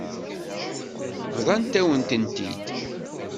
Bḍant-awen-tent-id.